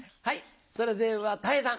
それではたい平さん。